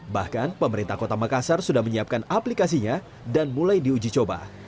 bahkan pemerintah kota makassar sudah menyiapkan aplikasinya dan mulai diuji coba